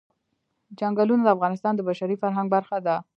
چنګلونه د افغانستان د بشري فرهنګ برخه ده.